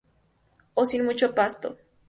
O sin mucho pasto.